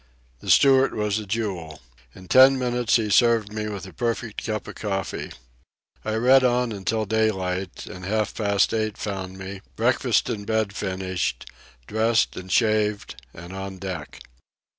The steward was a jewel. In ten minutes he served me with a perfect cup of coffee. I read on until daylight, and half past eight found me, breakfast in bed finished, dressed and shaved, and on deck.